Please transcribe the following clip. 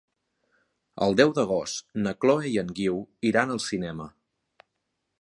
El deu d'agost na Chloé i en Guiu iran al cinema.